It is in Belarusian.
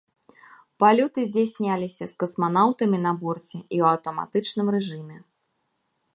Палёты здзяйсняліся з касманаўтамі на борце і ў аўтаматычным рэжыме.